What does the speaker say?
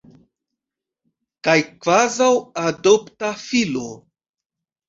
Kaj kvazaŭ adopta filo.